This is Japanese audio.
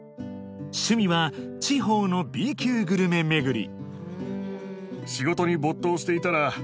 趣味は地方のＢ級グルメ巡り